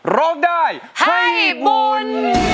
ร้องได้ให้บุญ